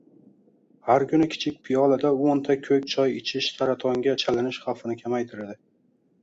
Har kuni kichik piyolada o‘nta ko‘k choy ichish saratonga chalinish xavfini kamaytiradi.